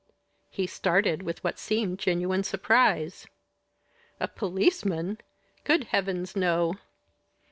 He started with what seemed genuine surprise. "A policeman! Good heavens, no."